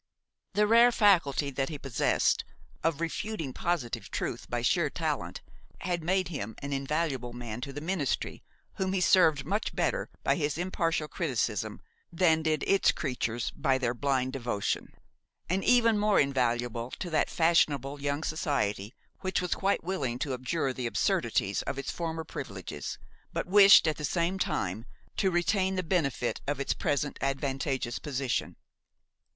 The rare faculty that he possessed, of refuting positive truth by sheer talent, had made him an invaluable man to the ministry, whom he served much better by his impartial criticism than did its creatures by their blind devotion; and even more invaluable to that fashionable young society which was quite willing to abjure the absurdities of its former privileges, but wished at the same time to retain the benefit of its present advantageous position.